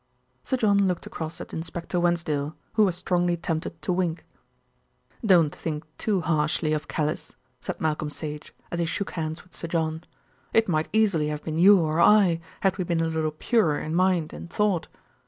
'" Sir John looked across at Inspector Wensdale, who was strongly tempted to wink. "Don't think too harshly of Callice," said Malcolm Sage as he shook hands with Sir John. "It might easily have been you or I, had we been a little purer in mind and thought."